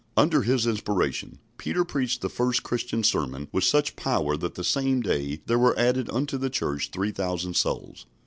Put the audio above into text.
Under His inspiration Peter preached the first Christian sermon with such power that the same day there were added unto the Church three thousand souls.